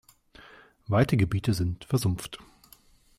Weite Gebiete sind versumpft.